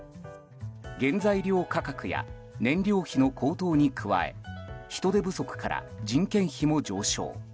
原材料価格や燃料費の高騰に加え人手不足から、人件費も上昇。